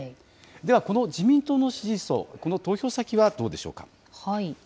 では、この自民党の支持層、この投票先はどうでしょうか。